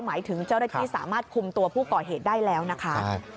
หมายถึงเจ้าหน้าที่สามารถคุมตัวผู้ก่อเหตุได้แล้วนะคะ